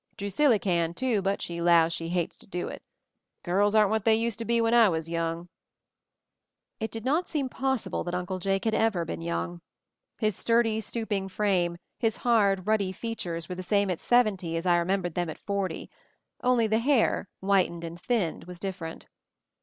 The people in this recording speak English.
Drusilly can, too, but she 'lows she hates to do it. Girls aren't what they used to be when I was young!" It did not seem possible that Uncle Jake MOVING THE MOUNTAIN 283 had ever been young. His sturdy, stooping frame, his hard, ruddy features were the same at seventy as I remembered them at forty, only the hair, whitened and thinned, was different.